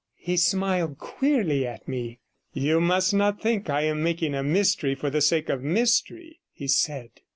He smiled queerly at me. 'You must not think I am making a mystery for the sake of mystery,' he said.